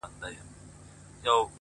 په تا هيـــــڅ خــــبر نـــه يــــم،